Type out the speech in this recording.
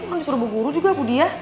kan disuruh bu guru juga budi ya